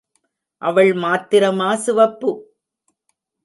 அவள் மாத்திரமா சிவப்பு?